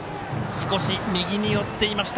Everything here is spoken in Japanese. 少し右に寄っていました。